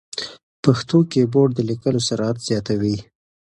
پښتو کیبورډ د لیکلو سرعت زیاتوي.